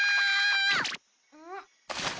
うん？